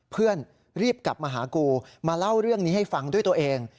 เพื่อนรีบกลับมาหากูมาเล่าเรื่องนี้ให้ฟังด้วยตัวเอง